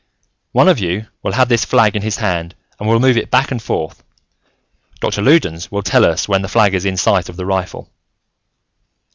One of you will have this flag in his hand, and will move it back and forth. Doctor Loudons will tell us when the flag is in sight of the rifle."